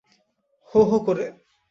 হো হো করে।